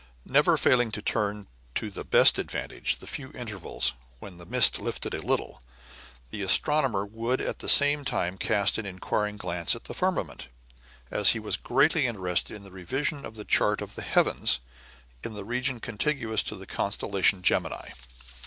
Never failing to turn to the best advantage the few intervals when the mist lifted a little, the astronomer would at the same time cast an inquiring glance at the firmament, as he was greatly interested in the revision of the chart of the heavens, in the region contiguous to the constellation Gemini.